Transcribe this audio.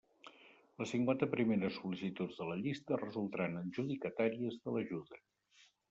Les cinquanta primeres sol·licituds de la llista resultaran adjudicatàries de l'ajuda.